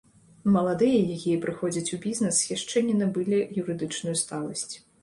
Маладыя, якія прыходзяць у бізнэс, яшчэ не набылі юрыдычную сталасць.